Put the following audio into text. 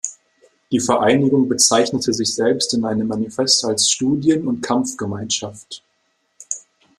Die Vereinigung bezeichnete sich selbst in einem Manifest als „Studien- und Kampfgemeinschaft“.